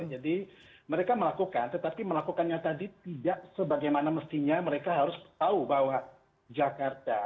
jadi mereka melakukan tetapi melakukannya tadi tidak sebagaimana mestinya mereka harus tahu bahwa jakarta